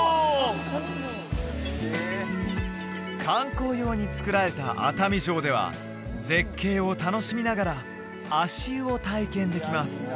観光用に造られた熱海城では絶景を楽しみながら足湯を体験できます